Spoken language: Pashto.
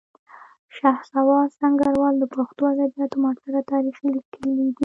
شهسوار سنګروال د پښتو ادبیاتو معاصر تاریخ لیکلی دی